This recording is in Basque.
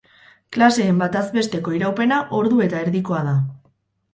Klaseen bataz besteko iraupena ordu eta erdikoa da.